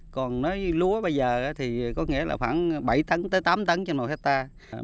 còn lúa bây giờ thì có nghĩa là khoảng bảy tám tấn trên một hectare